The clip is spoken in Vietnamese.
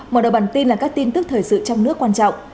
mở đầu bản tin là các tin tức thời sự trong nước quan trọng